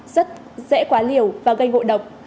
rất dễ quá liều và gây ngộ độc